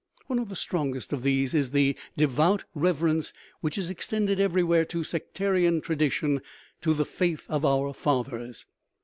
One of the strongest of these is the devout rev erence which is extended everywhere to sectarian tra dition, to the "faith of our fathers."